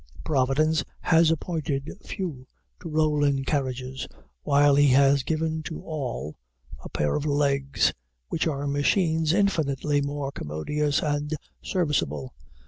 Providence has appointed few to roll in carriages, while he has given to all a pair of legs, which are machines infinitely more commodious and serviceable.